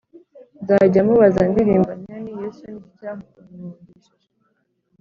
Nzajya mubaza ndirimba ntya nti yesu niki cyakunkundishije